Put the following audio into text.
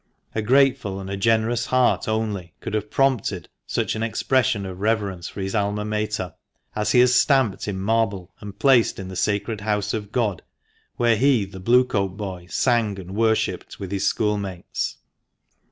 A grateful and a generous heart only could have prompted such an expression of reverence for his Alma Mater, as he has stamped in marble and placed in the sacred house of God, where he, the Blue coat boy, sang and worshipped with his schoolmates.